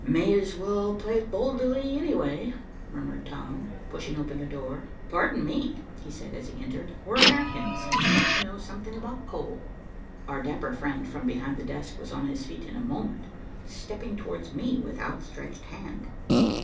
"May as well play it boldly, anyway," murmured Tom, pushing open the door. "Pardon me," he said, as he entered. "We're Americans, and want to know something about coal." Our dapper friend from behind the desk was on his feet in a moment, stepping towards me with outstretched hand.